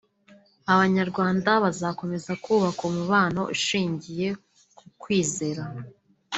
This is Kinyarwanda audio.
Abanyarwanda bazakomeza kubaka umubano ushingiye ku kwizerana